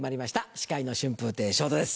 司会の春風亭昇太です。